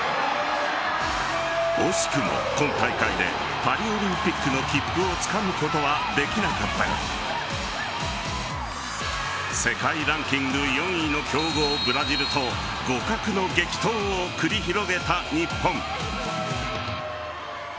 惜しくも今大会でパリオリンピックの切符をつかむことはできなかったが世界ランキング４位の強豪ブラジルと互角の激闘を繰り広げた日本。